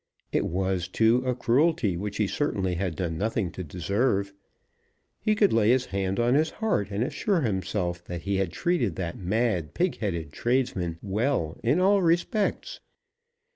It was, too, a cruelty which he certainly had done nothing to deserve. He could lay his hand on his heart and assure himself that he had treated that mad, pig headed tradesman well in all respects.